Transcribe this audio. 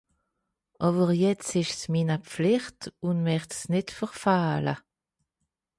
Àwwer jetzt ìsch's mini Pflìcht ùn mächt's nìtt verfähle.